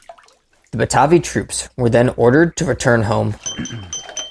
The Batavi troops were then ordered to return home.